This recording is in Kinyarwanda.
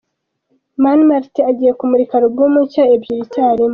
Mani Maritini agiye kumurika Alubumu nshya ebyiri icyarimwe